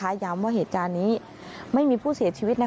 ย้ำว่าเหตุการณ์นี้ไม่มีผู้เสียชีวิต